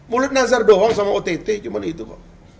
mulut nazar doang sama ott cuma itu kok